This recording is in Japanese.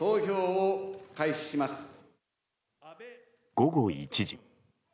午後１時。